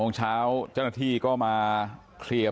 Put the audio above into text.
พรุ่งเช้าจ้านนัทที่ก็มาเคลียร์